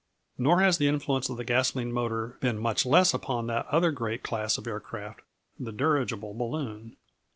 ] Nor has the influence of the gasoline motor been much less upon that other great class of aircraft, the dirigible balloon.